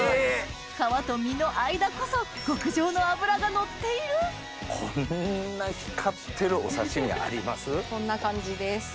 皮と身の間こそがのっているこんな感じです。